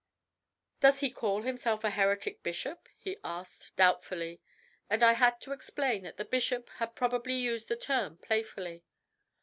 "Does he call himself a heretic bishop?" he asked doubtfully, and I had to explain that the bishop had probably used the term playfully.